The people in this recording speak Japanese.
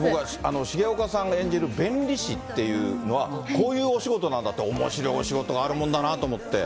重岡さんが演じる弁理士っていうのは、こういうお仕事なんだって、おもしろいお仕事があるもんだなと思って。